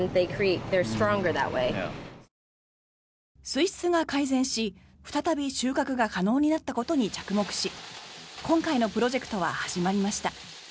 水質が改善し再び収穫が可能になったことに着目し今回のプロジェクトは始まりました。